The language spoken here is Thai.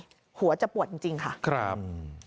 จหัวจะปวดจริงค่ะ